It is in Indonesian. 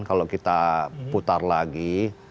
kalau kita putar lagi